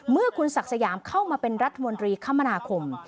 เมื่อคุณศักดิ์สยามเข้ามาเป็นรัฐมนตรีคมนาคม